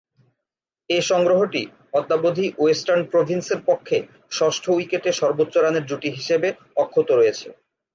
এ সংগ্রহটি অদ্যাবধি ওয়েস্টার্ন প্রভিন্সের পক্ষে ষষ্ঠ উইকেটে সর্বোচ্চ রানের জুটি হিসেবে অক্ষত রয়েছে।